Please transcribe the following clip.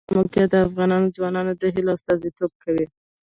د افغانستان د موقعیت د افغان ځوانانو د هیلو استازیتوب کوي.